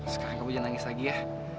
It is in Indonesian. sekarang kamu jangan nangis lagi ya